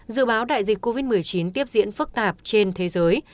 dự báo đại dịch covid một mươi chín tiếp diễn phức tạp trên thế giới